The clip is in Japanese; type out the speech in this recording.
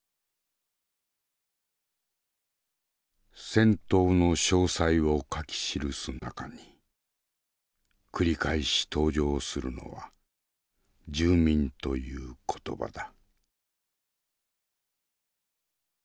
戦闘の詳細を書き記す中に繰り返し登場するのは「住民」という言葉だ。